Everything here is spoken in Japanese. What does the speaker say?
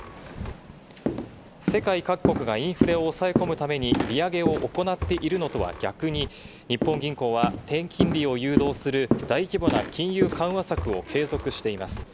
世界各国がインフレを抑え込むために利上げを行っているのとは逆に日本銀行は低金利を誘導する大規模な金融緩和策を継続しています。